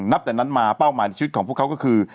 แต่นั้นมาเป้าหมายชีวิตของพวกเขาก็คือ